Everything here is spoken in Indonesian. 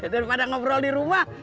daripada ngobrol di rumah